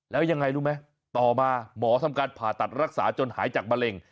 แล้วยังไงรู้ไหมต่อมาหมอทำการผ่าตัดรักษาจนหายจากมะเร็ง